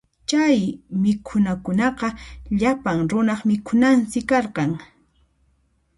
Chay mikhunakunaqa llapan runaq mikhunansi karqan.